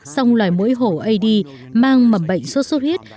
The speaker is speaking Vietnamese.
sông loài mũi hổ ad mang mẩm bệnh sốt sốt huyết